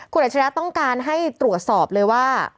คุณอัจฉริยะต้องการให้ตรวจสอบเลยว่า